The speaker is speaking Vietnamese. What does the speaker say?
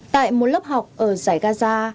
tại một lớp học ở giải gaza